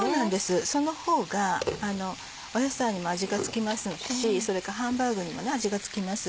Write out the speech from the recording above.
その方が野菜にも味が付きますしそれからハンバーグにも味が付きます。